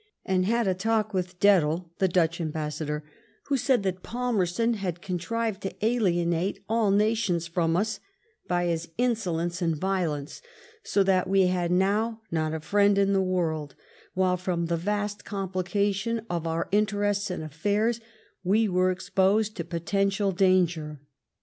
83 ^'and had a talk with Dedel (the Daich Ambassador), who said that Palmerston had contrived to alienate all nations from us by his insolence and violence, so that we had not now a friend in the world, while from the vast complication of our interests and affairs we were exposed to perpetual danger."